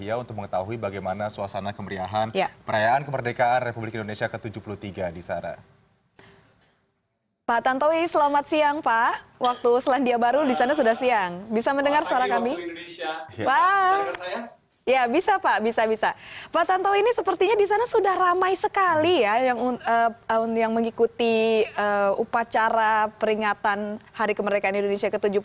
ya bisa pak bisa bisa pak tantau ini sepertinya di sana sudah ramai sekali ya yang mengikuti upacara peringatan hari kemerdekaan indonesia ke tujuh puluh tiga